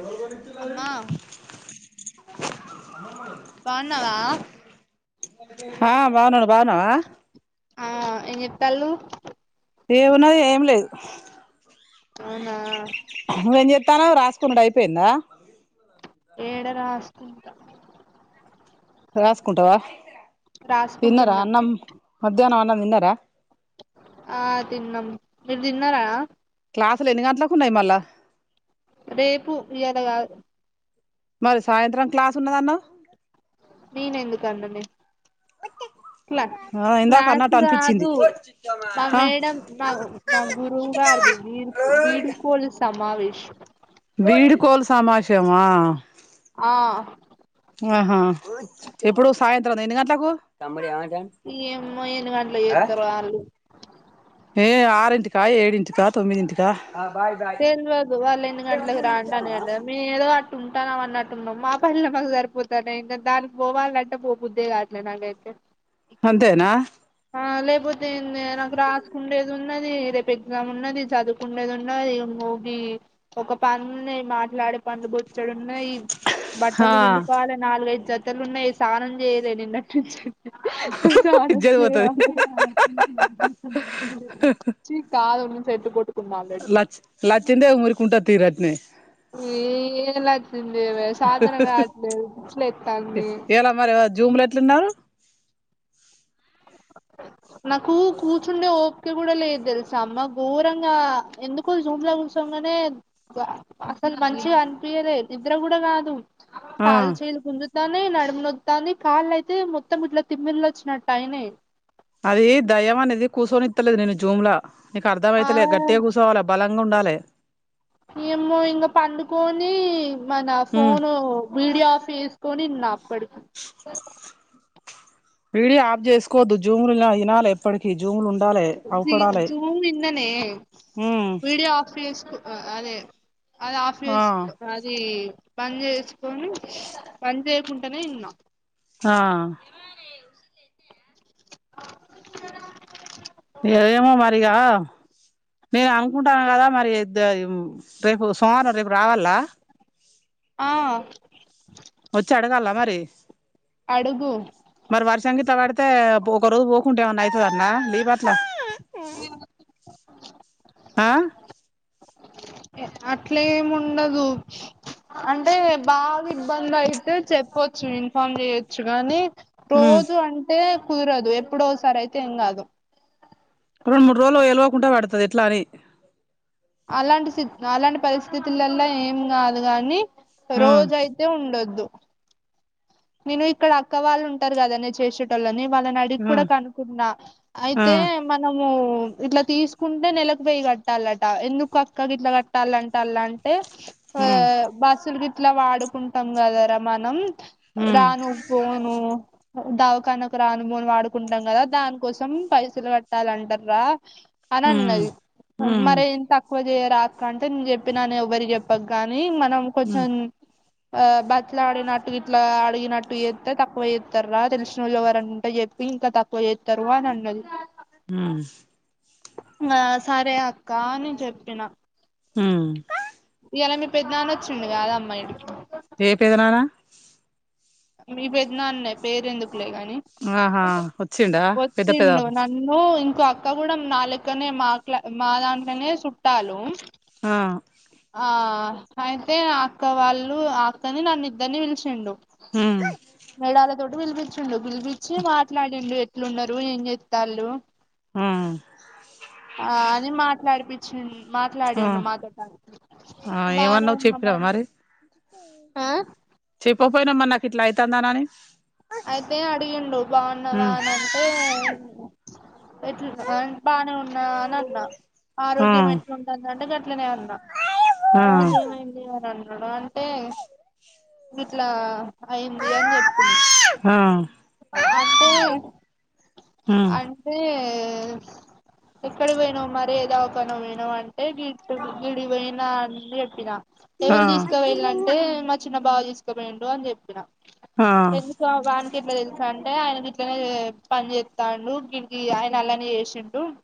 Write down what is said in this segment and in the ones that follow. ఎవరూ అమ్మా [unintelligible] బావున్నావా ఆ బాగున్నాను బాగున్నావా ఆ ఏం చేత్తాళ్లు ఏమున్నది ఏం లేదు అవునా నువ్వేం చేస్తానవు రాసుకునుడు అయిపోయిందా ఏడ రాసుకుంటా రాస్కుంటావా తిన్నార రాసుకుంటున్నా అన్నం మధ్యాహ్న అన్నం తిన్నారా ఆ తిన్నాం మీరు తిన్నారా క్లాసులు ఎన్ని గంట్లకు ఉన్నాయి మళ్ళా రేపు ఇయాల కాదు మరి సాయంత్రం క్లాస్ ఉన్నదన్నవు నేను ఎందుకన్ననే క్లా ఆ ఇందాక క్లాస్ అన్నట్టు అనిపించింది కాదు మా ఆ మేడం మా మా గురువు గారిది వీడు వీడుకోలు సమావేశం వీడుకోలు సమాశయమా ఆ ఆహా ఎప్పుడు సాయంత్రం ఎన్ని గంట్లకు ఎమ్మో ఎన్ని గంట్లకు చేస్తారో వాళ్ళు ఏ ఆరింటికా, ఏడింటికా, తొమ్మిది ఇంటికా ఆ బాయ్ద తెలివదు వాళ్ళ ఎన్ని గంటలలకు రా అంటే అన్ని గంటల మే ఏదో అట్టు ఉంటాన్నాం అన్నట్టు ఉన్నాం మా పనులే మాకు సరిపోతానాయ్ ఇంకా దానికి పోవాలంటే పోబుద్దే కాదు నాకు అయితే అంతేనా ఆ లేకపోతే ఏందే రాసుకుండేది ఉన్నది రేపు ఎగ్జామ్ ఉన్నది చదువుకుండేది ఉ న్నది మోగి ఒక పని మాట్లాడే పనులు బో చెడు ఉన్నాయి ఆ బట్టలు పిండుకోవాలి నాలుగైదు జతలు ఉన్నాయి స్నానం చేయలే నిన్నటి నుంచి స్నానం ఇజ్జత్ పోతది చేయాలి ఛీ కాదు నేను సెంటు కొట్టు లచ్చు లచ్చిందేవి మురికి ఉంటది తీర్రి అట్నే ఇప్పుడు ఏ లచ్చిందేవి సాతన గాట్లేలేదు పిచ్చి లేత్తన్ది. ఇయాల మరి వాళ్ళు జూమ్ల ఎట్లున్నారు. నాకు కూర్చుండే ఓపిక గుడా లేదు దేల్సా అమ్మ, ఘోరంగా ఎందుక్ [unintelligible] కూసోంగానే అసల్ మంచిగా అనిపియలే నిద్ర కూడా కాదు. ఆ కాళ్లు చేలు గుంజుతాన్నై, నడుమ నొత్తన్ది, కాళ్ళయితే మొత్తం ఇట్లా తిమ్మిర్ అచ్చినట్ టైనై అది దయ్యం అనేది కూర్సోనిత్తలేదు నిన్ను జూమ్లా, నీకు అర్ధం ఆ అయితలే గట్టిగా కూర్స్ చోవాలే, బలంగా ఉండాలే. ఏమో ఇంగా పండుకొని, మన ఉమ్ ఫోను వీడియో ఆఫీస్ కొనీనా అప్పాడుకు వీడియో ఆఫ్ జేసుకోవద్దు, జూమ్రీనా ఇనాలే. ఎప్పటికి జూమ్లా ఉండాలే. జీ, జూమ్ ఇన్ననే, ఉమ్ వీడియో ఆఫ్ చేస్కు ఆ అదే, అది హాఫ్ ఆ చేస్కు అది పని జేసుకొని, పని జేయకుంటానే ఇన్నా. హా [inaudible] ఇగ ఏమో మరి ఇగ నేను అనుకుంటాన్న కదా మరి, ఇద్ రేపు సోమవారం రేపు రావాల. ఆ ఒచ్చి అడగాల మరి. అడుగు మరి వర్షం గిట్ల వాడ్తే పో ఒక రోజు పోకుంటే ఏమన్నా అయితాదట్న లీప్ అట్ల. ఆ అట్లెం ఉండదు. అంటే బాగా ఇబ్బంది అయితే చెప్పొచ్చు, ఇన్ఫార్మ్ జేయొచ్చు కాగానీ ఉమ్ పోదు అంటే కుదరదు, ఎప్పుడో ఒకసారి అయితే ఏం గాదు. రోండ్ మూడ్రోజులు వెలువకుండా పడ్తది ఎట్లా అని. అలాంటి సిచ్, అలాంటి పరిస్థితులలో ఏం గాదు గాని ఉమ్ రోజై తే ఉండొద్దు. నేను ఇక్కడ అక్క వాళ్ళు ఉంటారు గదానే చేసేటోళ్లని వాళ్ళనడిగ్ డి ఉమ్ కూడా కనుకున్నా అయితే ఉమ్ మనము ఇట్లా తీసుకుంటే, నెలకు వెయ్యి కట్టాలట, ఎందుకు అక్కకి గిట్లా కట్టాలంటళ్లు అంటే, ఆ ఉమ్ బస్సులు గిట్లా వాడుకుంటాం గదరా మనం, ఉమ్ రాను, పోను దావకానకు రాను, పోను వాడుకుంటాం కదా, దాని కోసం పైసల్ కట్టాలంటార్రా. ఉమ్ అన్అన్నది ఉమ్ మరి ఏంతక్ కొద్దిగా రాక్కఅంటే, నేన్ చెప్పినానే ఎవరి జెప్పక్ గాని, మనం ఉమ్ కొంచెం అ బాత్లాడినట్టు గిట్ ఇట్లా అడిగినట్టు జేత్తే తక్కువ జేత్తరా, తెలిసినోళ్ళు ఎవరున్న ఉంటే చెప్పు, ఇంకా తక్కువ జేత్తరు అని అన్నది. హుమ్మ్ ఇంగా సరే అక్క అని జెప్పిన. హుమ్మ్ ఇయాలా మీ పెద్ద నాన్న ఒచ్చిండు కాద్ అమ్మా ఈడికి. ఏ పెదనాన్న. మీ పెద్దనాన్నే పేరు ఎందుకులే గాని ఆహా వచ్చిండా పెద్ద వచ్చిండు పెదబాబు న న్ను ఇంకో అక్క కూడా నా లెక్కనే మాట్ల మా దాంట్లోనే చుట్టాలు ఆ ఆ అయితే ఆ అక్క వాళ్ళు అక్కని నన్ను ఇద్దరిని పిలిచిండు ఉమ్ మేడాలతోటి పిలిపించిండు పిలిపించి మాట్లాడిండు ఎ ఎట్లున్నారు ఏం చెత్తళ్ళు ఉమ్ ఆ అని మాట్లాడిపి చిం ఆ మాట్లాడిండు మాతో ఆ ఏమన్నావు చెప్పినవా మరి ఆ చెప్పకపోయినవా మరి నాకు ఇట్లా అయితందినాన అని అయితే అడిగిండు బాగున్నావా ఉమ్ అని అం టే ఎట్లు బానేవున్నా అని అన్నా ఆ ఆరోగ్యం ఎట్లుంటంది అంటే గట్లనే అన్నా ఆ ఎందుకు ఏమైంది అని అన్నాడు అం టే గిట్లా అయ్యింది అని చెప్పిన ఆ అంటే ఉమ్ అంటే ఎక్కడి పోయినావు మరి ఏ దావకాన పోయినవు అంటే గిట్టు గిడికి పోయినా అన్ని చెప్పినా ఆ ఎవళ్ళు తీసుకొపోయిళ్ళు అంటే మా చిన్న బావ తీసుకోపోయిండు అని చెప్పిన ఆ ఎందు సో వానికి ఎట్లా తెలుసాంటే ఆయన గిట్లనే పని చేత్తాండు గినికి ఆయన అలానే చేసిండు [inaudible]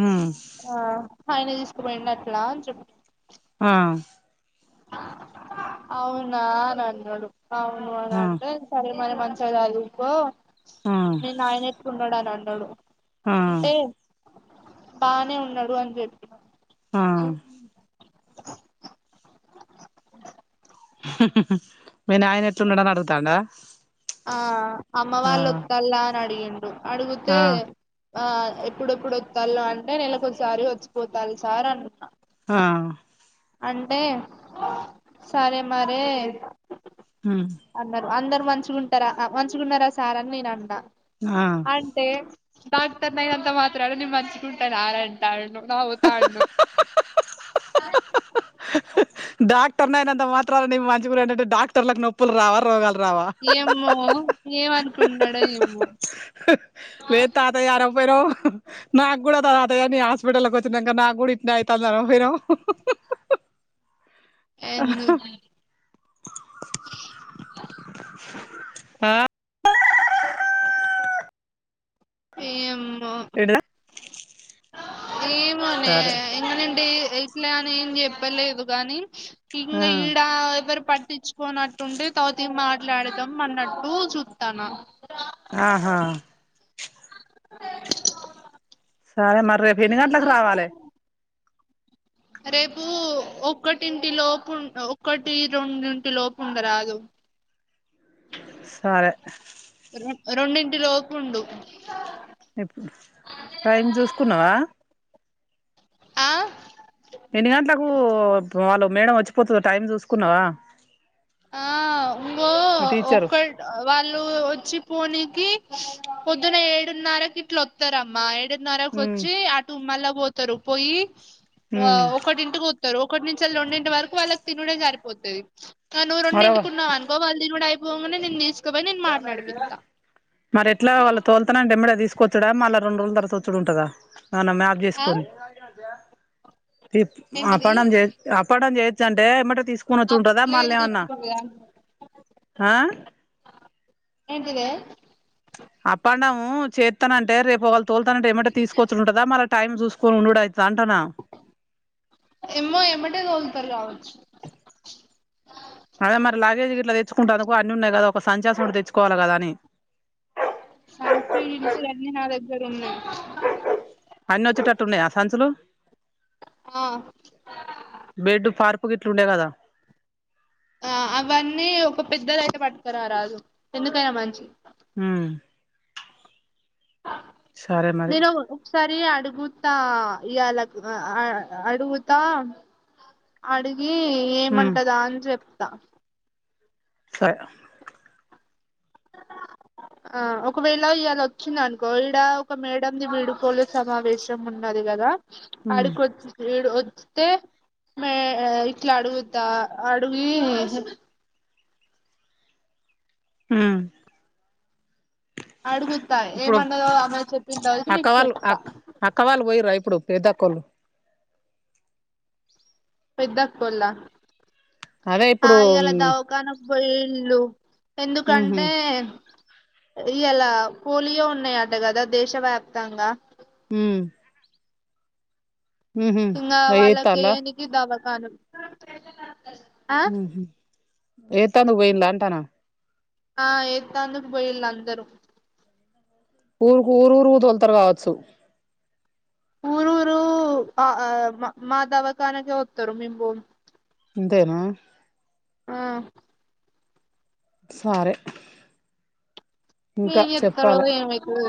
ఉమ్మ్ ఆ ఆయన తీసుకుపోయిండు అట్లా అని చె ఆ అవునా అని అన్నాడు అవును అని ఆ అంటే సరే మరి మంచిగా చదుకో ఆ మీ నాయన ఎట్లున్నాడు అని అన్నడు ఆ అంటే బానే ఉన్నాడు అని చెప్పినా ఆ మీ నాయన ఎట్లున్నాడు అని అడుగుతాండా ఆ అమ్మ ఆ వాళ్ళు వొత్తళ్ళా అని అడిగిండు అడుగితే ఆ ఆ ఎప్పుడెప్పుడు వత్తళ్ళు అంటే నెలకోసారి వచ్చిపోతాళ్ళు సార్ అంటున్న ఆ అంటే సరే మరి ఉమ్మ్ అన్నారు అందరు మంచిగుంటారా మంచిగున్నారా సార్ అని నేను అంటా ఆ అంటే డాక్టర్ నైనంతా మాత్రానా నేను మంచిగుంటానా అని అంటండు నవ్వుతాండు డాక్టర్ నైనంతా మాత్రాన నేను మంచిగుంటానాంటే అంటే డాక్టర్లకు నొప్పులు రావా రోగాలు రావా ఏమో ఏమనుకున్నాడో ఏమో వేత తాయ్ ఆరాకపోయినావ్ నాక్కూడా వత్తదయే నీ హాస్పిటల్‌కి వచ్చినాంక నాకు కూడా అయితాంది అన్నావా ఫొయిరా ఎందు ఆ ఏమో ఏంటిదా ఏమోనే సరే ఇంగనేడి ఇట్లా అని ఏం చెప్పలేదు గానీ ఇంగ ఆ ఈడ ఎవరు పట్టిచు కొనట్టుంటే తర్వాతకి మాట్లాడదాం అన్నట్టు చూత్తాన్న ఆహా సరే మరి రేపు ఎన్ని గంటలకు రావాలి రేపు ఒకటింటి లోపు ఒకటి రెండింటి లోపు ఉండరాదు సరే రెండింటిలోపు ఉండు టైం చూసుకున్నావా ఆ ఎన్ని గంటలకు వాళ్ళు మేడం వచ్చిపోతుందో టైం చూసుకున్నావా ఆ పొ మీ టీచరు ఒక్కట్ వాళ్ళు వచ్చి పోనికి పొద్దున ఏడున్నరకి ఇట్లు వస్తారమ్మా ఒకటిన్నరకు ఉమ్ వచ్చి అటు మళ్ళా పోతారు పోయి ఉమ్ ఒకటింటికి ఒకటి నుంచి రెండింటి వరకు వాళ్ళకి తినుడే సారిపోతది నువ్వు మరవ రెండింటికి ఉన్నావ్ అనుకో వాళ్లు తినడం అయిపోగానే తీసుకుపోయి నేను మాట్లాడిపిస్తా మరి ఎట్లా వాళ్ళ తోల్ వస్తానంటే వెంబడి తీసుకొచ్చుడా మల్ల రెండు రోజుల తర్వాత వచ్చాడు ఉంటదా ఏమన్నా మ్యాప్ ఆ చేసుకొని ఆ అప్ ఏంటిది and down up and down చేయొచ్చ అంటే ఏమటే తీసుకుని వచ్చు ఆ ఉంటుందా లేదు మళ్ళీ ఏమన్నా తీసుకుంటదా ఆ ఏంటిదే అప్ అండ్ డౌ చేస్తానంటే రేపు తోల్తాన్ అంటే ఏమై తీసుకోవచ్చుంటదా మళ్ళ టైం చూసుకొని ఉండడు అయితదా అంటానా ఏమో ఏమటే తోలుతారు కావచ్చు అదే మరి లగేజ్ గిట్ల తెచ్చుకుంట అను అన్ని ఉన్నాయి కదా ఒక సంచి అసోంటిది తెచ్చువాలి కాదా అని సంచి గించి అన్నీ నా దగ్గర ఉన్నాయి అన్ని వచ్చేటట్టు ఉన్నాయి ఆ సంచులు ఆ బెడ్ పరుపు ఇట్లు ఉండే కదా ఆ అవన్నీ ఒక పెద్దదీ అయితే పట్టుకరారాదు ఎందుకైనా మంచిదీ ఉ సరే మరి తినవ్ ఒక్కసారి అడుగుతా ఇళ అడుగుతా అడిగి ఉమ్ ఏమంటదా అని చెప్తా సైరా ఆహా ఆ ఒకవేళ ఇవాళ వచ్చింది అనుకో ఇడ ఒక మేడంది వీడ్కోలు సమావేశం ఉన్నది కదా ఉమ్ ఆడుకొచ్చి ఇడు వస్తే ఇట్లా అడుగుతా అడుగి ఉ అడుగుతా ఇప్పుడు ఏమన్నదో ఆమె చెప్పిన తర్వాత అది నీకు చెప్త అక్కవాళ్ళు పోయిరా ఇప్పుడు పెద్దక్కళ్ళు పెద్ద అక్క కొల్ల అదే ఆ ఇప్పుడు ఈయాల దవఖనకు పోయిళ్ళు ఉహు ఎందుకంటే ఇలా పోలియో ఉన్నాయట కదా దేశ వ్యాప్తంగా ఉ ఇంకా వాళ్ళకి ఏత్తాల్ల ఏనికి దవఖన ఉ హు వేసేతందుకు పోయిలా అంటానా ఆ ఏతాందుకు పోయిలా అందరూ ఊరుకు ఊరు ఊరు వెలతారు కావచ్చు ఊరు ఊరు ఆ మా దవఖానకి వస్తారు మేము పోము ఇంతేనా ఆ సరే ఇంకా చెప్పాలి ఏముంది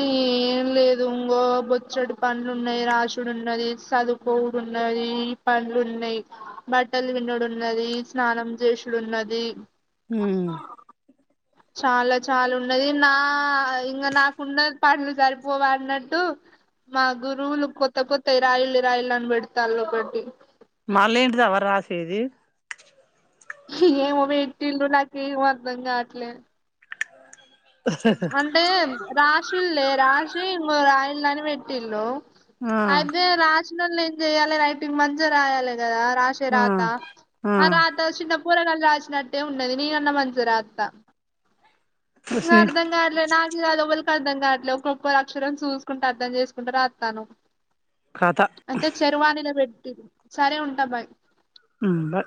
ఏం లేదు ఇంగో బొచ్చడి పనులు ఉన్నాయి రాసుడు ఉన్నది చదుకోవుడు ఉన్నది ఈ పనులు ఉన్నాయి బట్టలు విన్నడున్నది స్నానం చేసుడున్నది హమ్ చాలా చాలా ఉన్నది నా ఇంకా నాకున్న పనులు సరిపోవనట్టు మా గురువులు కొత్త కొత్త రాయిళ్ళ రాయిళ్ళ అని పెడతారు ఒక్కోటి మళ్ళ ఏంటిది అవ రాసేది ఏమో పెట్టిళు నాకు ఏం అర్ధం కావట్ లేదు అంటే రాశీల్లే రాశి ఇంకో రాయిళని పెట్టిళ్ళు ఆ అయితే రాసిన వాళ్ళు ఏం చెయ్యాలి రైటింగ్ మంచిగా రాయాలే కదా రాస ఆ రాత ఆ రాత చిన్న పూరగాలు రాసినట్టే ఉన్నది నేనన్న మనంచిగా రాత కృష్ణి అర్థం కావట్లే నా మీది అవలికి అర్థం కావట్లే ఒక్కొక్కరు అక్షరం చూసుకుంటే అర్థం చేసుకుంటే రాస్తాను కత అంటే చరవానీలో పెట్టు సరే ఉంటా బాయ్ అంబా